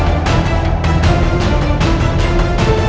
kau datang untuk mengantar nyawa